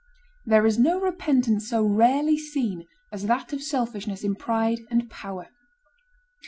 There is no repentance so rarely seen as that of selfishness in pride and power.